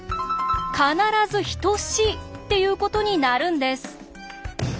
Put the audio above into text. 必ず等しいっていうことになるんです！